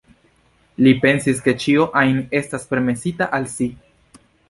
Li pensis ke ĉio ajn estas permesita al si.